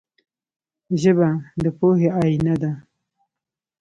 ژبه د پوهې آینه ده